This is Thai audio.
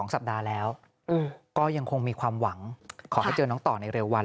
สัปดาห์แล้วก็ยังคงมีความหวังขอให้เจอน้องต่อในเร็ววัน